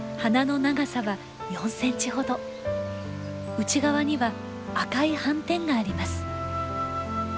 内側には赤い斑点があります。